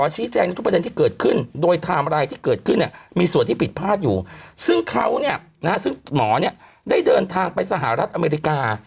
ซึ่งเขาเนี่ยนะฮะซึ่งหมอเนี่ยได้เดินทางไปสหรัฐอเมริกา